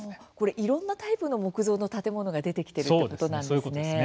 いろんなタイプの木造の建物が出てきているってことなんですね。